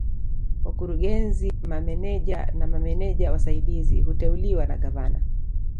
Wakurugenzi Mameneja na Mameneja Wasaidizi huteuliwa na Gavana